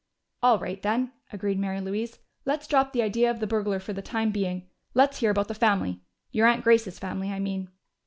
"All right, then," agreed Mary Louise. "Let's drop the idea of the burglar for the time being. Let's hear about the family your aunt Grace's family, I mean."